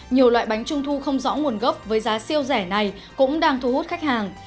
nhiều loại bánh trung thu không rõ nguồn gốc với giá siêu rẻ này cũng đang thu hút khách hàng